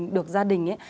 được gia đình ấy